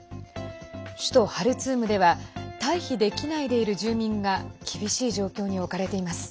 首都ハルツームでは退避できないでいる住民が厳しい状況に置かれています。